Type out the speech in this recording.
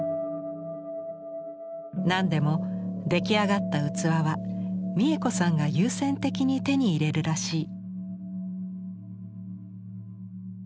何でも出来上がった器は三枝子さんが優先的に手に入れるらしい。